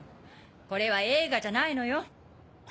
これは映画じゃないのよ。